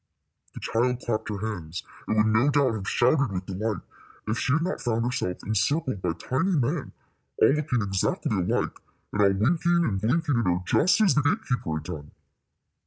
The child clapped her hands, and would no doubt have shouted with delight if she had not found herself encircled by tiny men, all looking exactly alike, and all winking and blinking at her just as the gate keeper had done.